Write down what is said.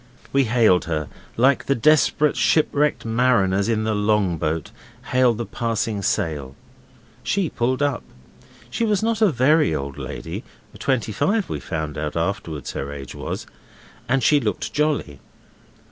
We hailed her like the desperate shipwrecked mariners in the long boat hail the passing sail. She pulled up. She was not a very old lady twenty five we found out afterwards her age was and she looked jolly.